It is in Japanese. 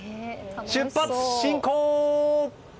出発進行！